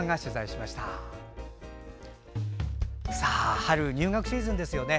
春、入学シーズンですよね。